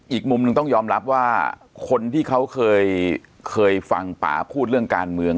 อีกมุมหนึ่งต้องยอมรับว่าคนที่เขาเคยฟังป่าพูดเรื่องการเมือง